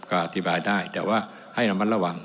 ก็อธิบายได้แต่ว่าให้ระมัดระวัง